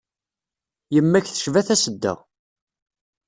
Yemma-k tecba tasedda.